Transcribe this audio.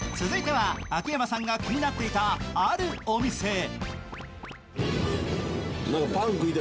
続いては秋山さんが気になっていたあるお店。